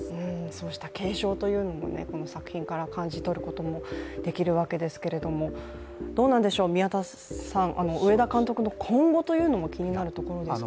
そうした継承というのも、この作品から感じ取ることもできるわけですけれども宮田さん、上田監督の今後というのは気になるところですよね。